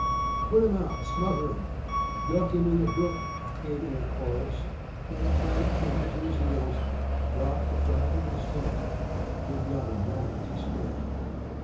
"Put him out," "Smother him," "Duck him in the brook," came in a chorus; and Frank, taking to his heels, dropped the flap of his tent, with not a moment to spare.